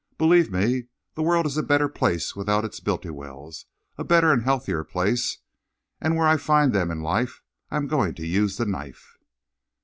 Believe me, the world is a better place without its Bultiwells a better and a healthier place and where I find them in life, I am going to use the knife."